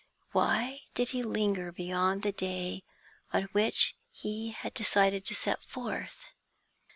Why did he linger beyond the day on which he had decided to set forth?